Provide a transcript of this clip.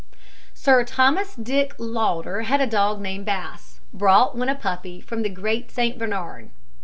Sir Thomas Dick Lauder had a dog named Bass, brought when a puppy from the Great Saint Bernard.